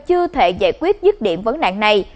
chưa thể giải quyết dứt điểm vấn đạn này